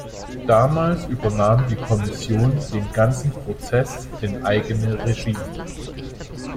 Damals übernahm die Kommission den ganzen Prozess in eigene Regie.